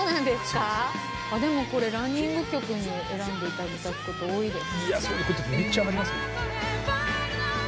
でもこれランニング曲に選んで頂くこと多いです。